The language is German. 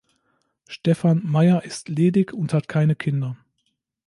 Stephan Mayer ist ledig und hat keine Kinder.